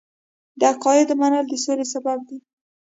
د عقایدو منل د سولې سبب دی.